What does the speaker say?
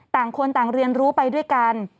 ต่างคนต่างเรียนรู้ไปด้วยกัน